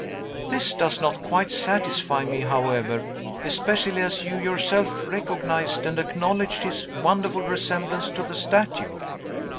"This does not quite satisfy me, however, especially as you yourself recognized and acknowledged his wonderful resemblance to the statue."